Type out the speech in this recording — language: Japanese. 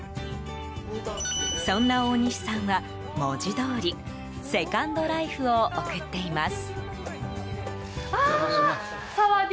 そんな大西さんは、文字どおりセカンドライフを送っています。